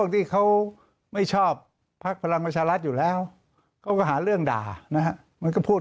ที่เขาไม่ชอบพระแปรกษารัฐอยู่แล้วก็หาเรื่องด่านะเขาพูด